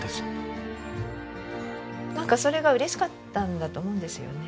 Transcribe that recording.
なんかそれが嬉しかったんだと思うんですよね。